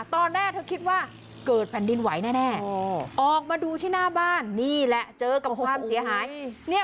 ตอนแรกเธอคิดว่าเกิดแผ่นดินไหวแน่ออกมาดูที่หน้าบ้านนี่แหละเจอกับความเสียหาย